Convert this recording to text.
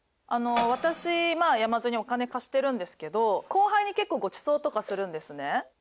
あのー私山添にお金貸してるんですけど後輩に結構ごちそうとかするんですね。